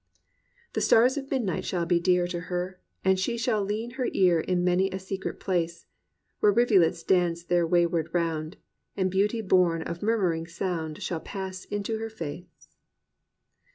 The stars of midnight shall be dear To her; and she shall lean her ear In many a secret place Where rivulets dance their wayward round. And beauty bom of murmuring sound Shall pass into her face.